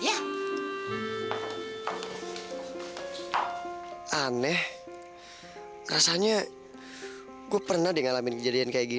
barang barang " jadi aku balas monkey aku